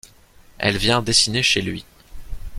Elle vient dessiner chez lui.